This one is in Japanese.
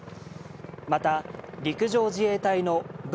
また、陸上自衛隊のＶ２２